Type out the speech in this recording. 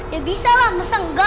ya bisa lah masa enggak